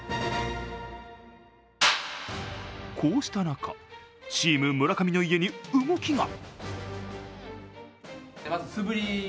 こうした中、チーム村上の家に動きが。